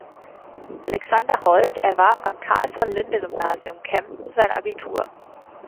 Alexander Hold erwarb am Carl-von-Linde-Gymnasium Kempten sein Abitur.